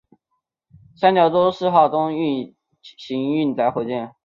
三角洲四号中型运载火箭。